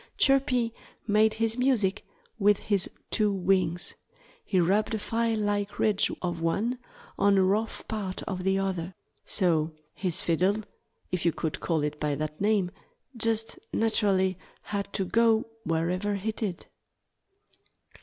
Chirpy made his music with his two wings. He rubbed a file like ridge of one on a rough part of the other. So his fiddle if you could call it by that name just naturally had to go wherever he did.